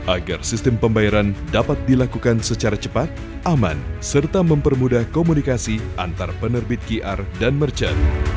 agar sistem pembayaran dapat dilakukan secara cepat aman serta mempermudah komunikasi antar penerbit qr dan merchant